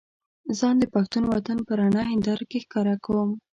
ځان د پښتون وطن په رڼه هينداره کې ښکاره کوم.